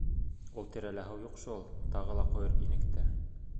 — Ул тирәлә һыу юҡ шул, тағы ла ҡойор инек тә.